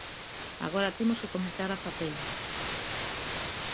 Agora temos que comezar a facelo.